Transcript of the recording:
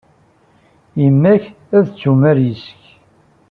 Yemma-k ad tumar yes-k.